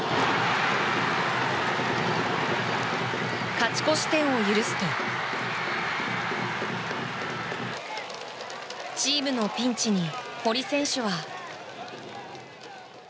勝ち越し点を許すとチームのピンチに堀選手は。